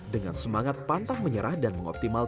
dengan semangat pantang menyerah dan mengoptimalkan